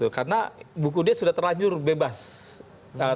karena buku dia sudah terlanjur bebas tersebar di kalangan alam